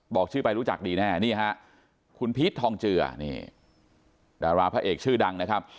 บอกชื่อไปรู้จักดีแน่นี่ฮะคุณพีชทองเจือนี่ดาราพระเอกชื่อดังนะครับ